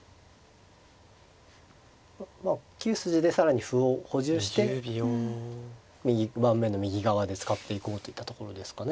９筋で更に歩を補充して盤面の右側で使っていこうといったところですかね。